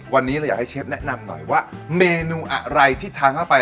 วันนี้เราอยากให้เชฟแนะนำหน่อยว่าเมนูอะไรที่ทานเข้าไป